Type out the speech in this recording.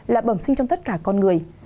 là bầm sinh trong tất cả con người